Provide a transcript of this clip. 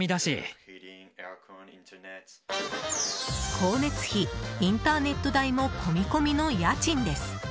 光熱費・インターネット代も込み込みの家賃です！